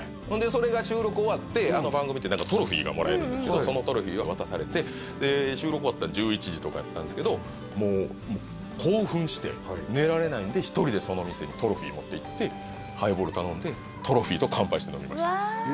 それが収録終わってあの番組ってトロフィーがもらえるんですけどトロフィーを渡されて収録終わったの１１時とかやったんですけどもう興奮して寝られないんで１人でその店にトロフィー持って行ってハイボール頼んでトロフィーと乾杯して飲みました